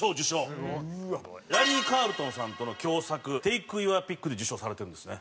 ラリー・カールトンさんとの共作『ＴＡＫＥＹＯＵＲＰＩＣＫ』で受賞されてるんですね。